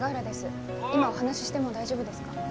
今お話ししても大丈夫ですか？